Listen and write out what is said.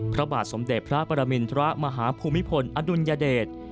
พระบาทสมเด็จพระปรมินทรมาฮภูมิพลอดุลยเดช